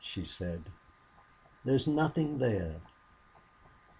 she said. "There's nothing there!"